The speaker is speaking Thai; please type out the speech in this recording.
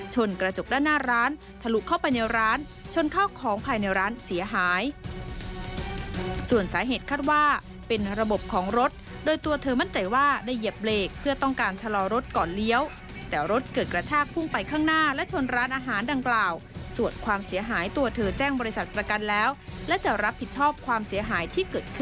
กระจกด้านหน้าร้านทะลุเข้าไปในร้านชนเข้าของภายในร้านเสียหายส่วนสาเหตุคาดว่าเป็นระบบของรถโดยตัวเธอมั่นใจว่าได้เหยียบเบรกเพื่อต้องการชะลอรถก่อนเลี้ยวแต่รถเกิดกระชากพุ่งไปข้างหน้าและชนร้านอาหารดังกล่าวสวดความเสียหายตัวเธอแจ้งบริษัทประกันแล้วและจะรับผิดชอบความเสียหายที่เกิดขึ้น